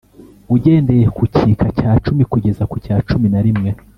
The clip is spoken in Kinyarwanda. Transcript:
ugendeye ku gika cya cumi kugeza ku cya cumi na rimwe.